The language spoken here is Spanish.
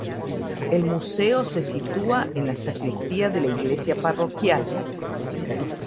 El museo se sitúa en la sacristía de la iglesia parroquial.